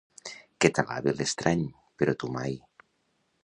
Que t'alabe l'estrany, però tu mai.